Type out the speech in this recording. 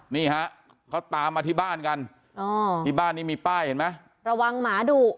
นี่ฮะเขาตามมาที่บ้านกันอ๋อที่บ้านนี้มีป้ายเห็นไหมระวังหมาดุ